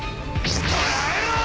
捕らえろー！